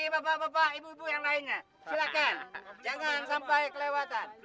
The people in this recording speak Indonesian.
buku yang lainnya silakan jangan sampai kelewatan